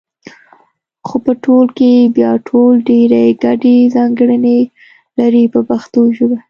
خو په ټول کې بیا ټول ډېرې ګډې ځانګړنې لري په پښتو ژبه.